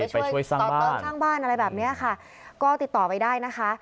ไปช่วยสร้างบ้านอะไรแบบนี้ค่ะก็ติดต่อไปได้นะคะ